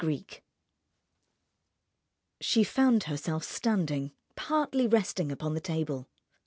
GREEK She found herself standing, partly resting upon the table.